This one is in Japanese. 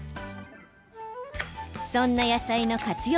そんな野菜の活用